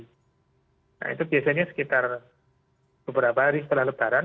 nah itu biasanya sekitar beberapa hari setelah lebaran